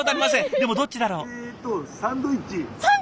でもどっちだろう？